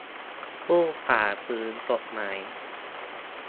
ผู้ฝ่าฝืนกฎหมาย